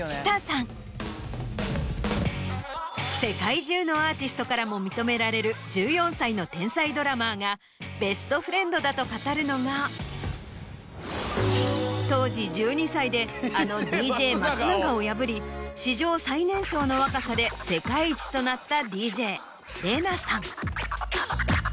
世界中のアーティストからも認められる１４歳の天才ドラマーがベストフレンドだと語るのが当時１２歳であのＤＪ松永を破り史上最年少の若さで世界一となった。